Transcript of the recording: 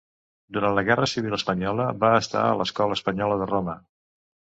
Durant la guerra civil espanyola va estar a l'Escola Espanyola de Roma.